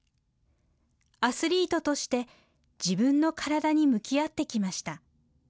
アスリートとして自分の体に向き合ってきました。